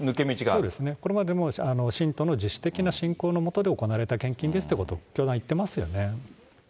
そうですね、これまでも信徒の自主的な信仰の下で行われた献金ですということを教団、言ってますよね。